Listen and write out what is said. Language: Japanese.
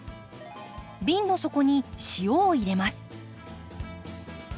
瓶の底に塩を入れます。